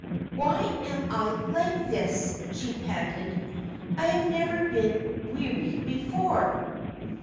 "Why am I like this?" she panted. "I have never been weary before."